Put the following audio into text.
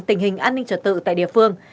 tình hình an ninh trật tự tại địa phương